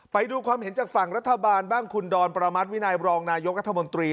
ไปดูความเห็นจากฝั่งรัฐบาลบ้างคุณดอนประมาทวินัยรองนายกรัฐมนตรี